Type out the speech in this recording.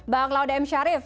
bang lauda m syarif